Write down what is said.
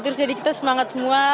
terus jadi kita semangat semua